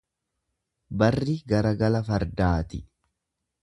Barri garagala fardaati.